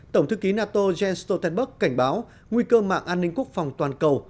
tổng thư ký nato jens stoltenberg cảnh báo nguy cơ mạng an ninh quốc phòng toàn cầu